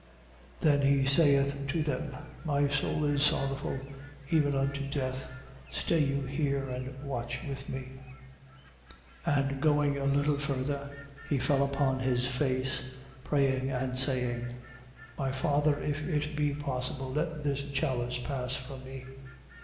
26:38. Then he saith to them: My soul is sorrowful even unto death. Stay you here and watch with me. 26:39. And going a little further, he fell upon his face, praying and saying: My Father, if it be possible, let this chalice pass from me.